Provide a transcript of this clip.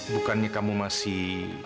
bukannya kamu masih